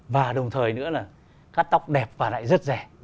và đồng thời nữa là cắt tóc đẹp và lại rất rẻ